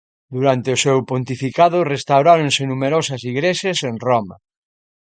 Durante o seu pontificado restauráronse numerosas igrexas en Roma.